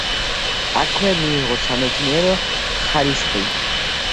აქვე მიიღო სამეცნიერო ხარისხი.